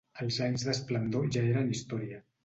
Els anys d'esplendor ja eren història.